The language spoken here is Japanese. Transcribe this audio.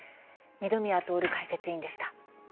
二宮徹解説委員でした。